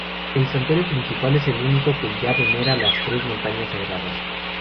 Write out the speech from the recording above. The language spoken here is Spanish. El santuario principal es único, ya que venera las tres montañas sagradas.